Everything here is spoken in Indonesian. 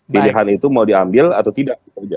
pilihan itu mau diambil atau tidak